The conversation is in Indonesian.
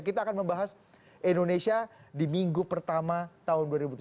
kita akan membahas indonesia di minggu pertama tahun dua ribu tujuh belas